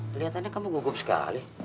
keliatannya kamu gugup sekali